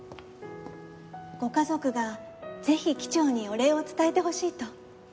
ご家族がぜひ機長にお礼を伝えてほしいと。